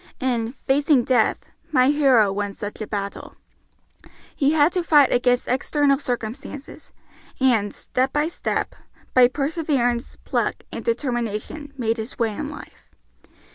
In "Facing Death" my hero won such a battle. He had to fight against external circumstances, and step by step, by perseverance, pluck, and determination, made his way in life.